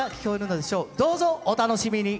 どうぞお楽しみに。